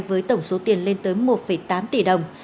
với tổng số tiền lên tới một tám tỷ đồng